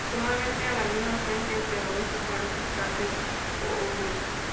Aproximadamente a la misma distancia hacia el oeste aparece el cráter Joule.